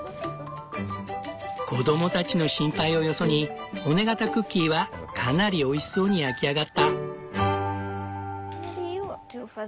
子供たちの心配をよそに骨型クッキーはかなりおいしそうに焼き上がった。